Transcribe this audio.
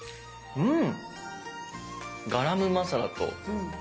うん。